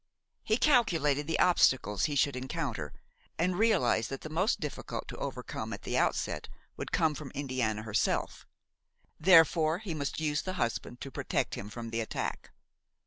He calculated the obstacles he should encounter, and realized that the most difficult to overcome at the outset would come from Indiana herself; therefore he must use the husband to protect him from the attack.